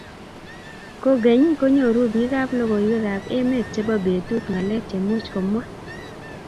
kogeny, konyoru biikap logoiywekab emet chebo betut ngalek chemuch komwaa